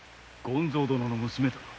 権造殿の娘だな？